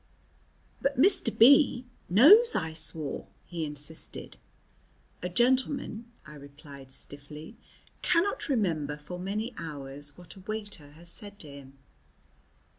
"But Mr. B knows I swore," he insisted. "A gentleman," I replied stiffly, "cannot remember for many hours what a waiter has said to him."